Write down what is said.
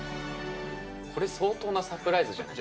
これ相当なサプライズじゃない？